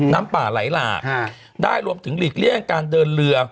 น้ำป่าไหลหลากได้รวมถึงหลีกเลี่ยงการเดินเรือ